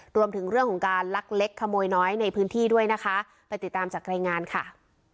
รวมถึงเรื่องของการลักเล็กขโมยน้อยในพื้นที่ด้วยนะคะ